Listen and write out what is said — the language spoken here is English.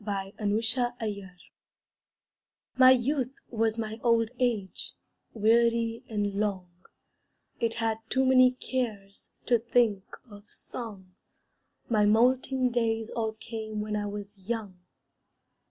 MY YOUTH My youth was my old age, Weary and long; It had too many cares To think of song; My moulting days all came When I was young.